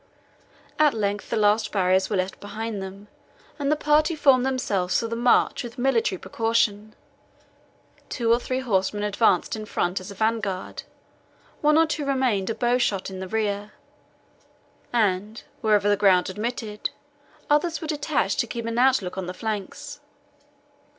At length the last barriers were left behind them, and the party formed themselves for the march with military precaution. Two or three horsemen advanced in front as a vanguard; one or two remained a bow shot in the rear; and, wherever the ground admitted, others were detached to keep an outlook on the flanks.